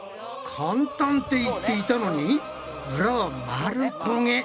簡単って言っていたのに裏は丸焦げ。